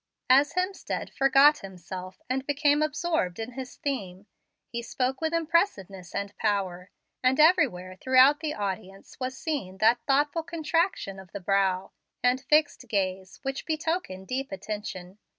As Hemstead forgot himself, and became absorbed in his theme, he spoke with impressiveness and power; and everywhere throughout the audience was seen that thoughtful contraction of the brow and fixed gaze which betoken deep attention.